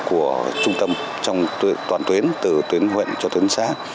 của trung tâm trong toàn tuyến từ tuyến huyện cho tuyến xã